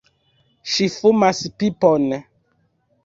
Ŝi fumas pipon!